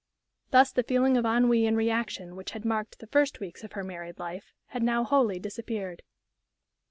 Thus the feeling of ennui and reaction which had marked the first weeks of her married life had now wholly disappeared.